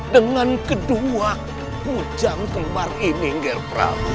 dengan kedua ku jang kembar ini ger prabu